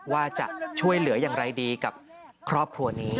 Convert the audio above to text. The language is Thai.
ว่าจะช่วยเหลืออย่างไรดีกับครอบครัวนี้